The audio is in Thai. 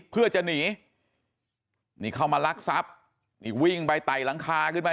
เพื่อจะหนีนี่เข้ามาลักทรัพย์นี่วิ่งไปไต่หลังคาขึ้นไป